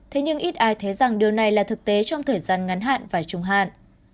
thế nhưng ít ai thấy rằng điều này là thực tế trong thời gian ngắn hạn và trung hạn